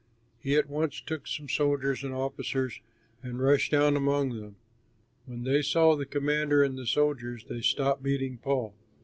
He at once took some soldiers and officers and rushed down among them. When they saw the commander and the soldiers, they stopped beating Paul.